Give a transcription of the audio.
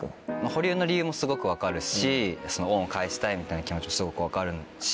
保留の理由もすごく分かるし恩を返したいみたいな気持ちもすごく分かるし。